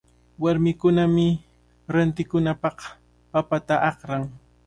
Warmikunami rantikunanpaq papata akran.